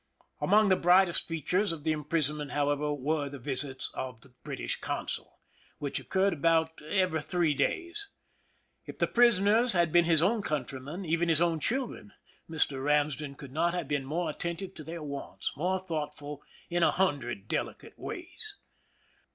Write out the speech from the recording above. Among the brightest features of the imprison ment, however, were the visits of the British consul, which occurred about every three days. If the prisoners had been his own countrymen, even his own children, Mr. Eamsden could not have been more attentive to their wants, more thoughtful in a hundred delicate ways.